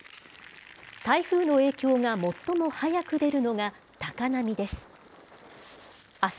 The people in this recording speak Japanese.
台風の影響が最も早く出るのが高波です。